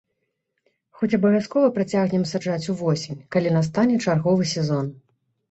Хоць абавязкова працягнем саджаць увосень, калі настане чарговы сезон.